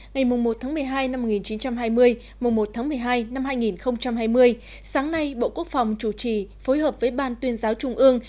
ngày một một mươi hai một nghìn chín trăm hai mươi một một mươi hai hai nghìn hai mươi sáng nay bộ quốc phòng chủ trì phối hợp với ban tuyên giáo trung ương